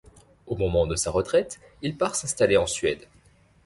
Au moment de sa retraite, il part s'installer en Suède.